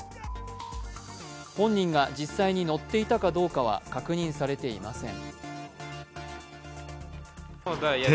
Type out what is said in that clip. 本人が実際に乗っていたかどうかは確認されていません。